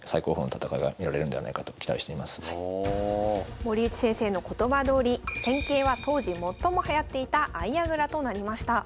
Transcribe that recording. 森内先生の言葉どおり戦型は当時最もはやっていた相矢倉となりました。